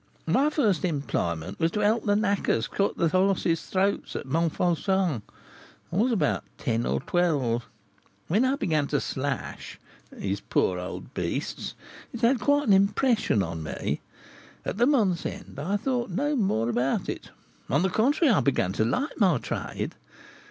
My first employment was to help the knackers to cut the horses' throats at Montfauçon. I was about ten or twelve. When I began to slash (chouriner) these poor old beasts, it had quite an impression on me. At the month's end I thought no more about it; on the contrary, I began to like my trade.